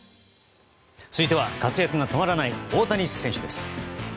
続いては活躍が止まらない大谷選手です。